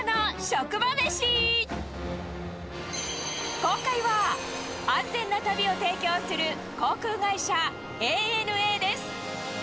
今回は、安全な旅を提供する航空会社、ＡＮＡです。